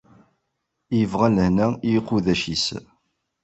I yebɣan lehna i uqeddac-is!